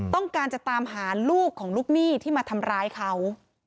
ต้องการจะตามหาลูกของลูกหนี้ที่มาทำร้ายเขา